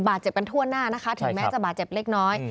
บาดเจ็บกันทั่วหน้านะคะถึงแม้จะบาดเจ็บเล็กน้อย